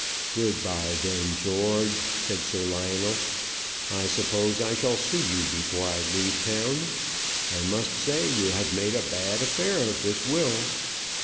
"Good bye, then, George," said Sir Lionel. "I suppose I shall see you before I leave town. I must say, you have made a bad affair of this will."